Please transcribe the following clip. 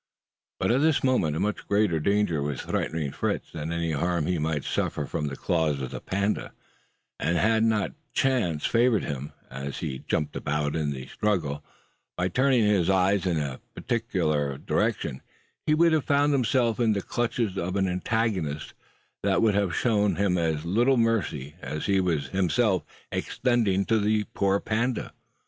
But at this moment a much greater danger was threatening Fritz than any harm he might suffer from the claws of the panda; and had chance not favoured him, as he jumped about in the struggle, by turning his eyes in a particular direction, he would have found himself in the clutches of an antagonist, that would have shown him as little mercy as he was himself extending to the poor panda.